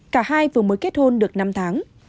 cả hai vừa mới kết hôn được năm tháng